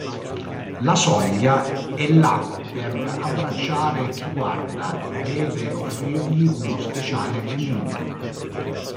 La soglia è là per abbracciare chi guarda e deve offrirgli uno speciale benvenuto.